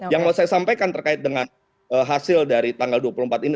yang mau saya sampaikan terkait dengan hasil dari tanggal dua puluh empat ini